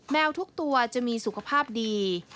แมวทุกตัวจะมีสุขภาพดี